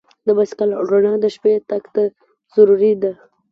د بایسکل رڼا د شپې تګ ته ضروري ده.